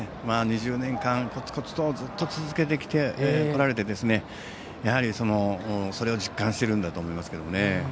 ２０年間、こつこつとずっと続けてこられてやはり、それを実感しているんだと思いますね。